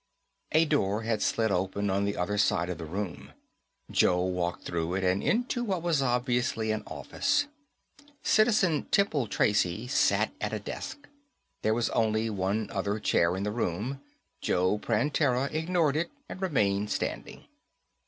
A door had slid open on the other side of the room. Joe walked through it and into what was obviously an office. Citizen Temple Tracy sat at a desk. There was only one other chair in the room. Joe Prantera ignored it and remained standing.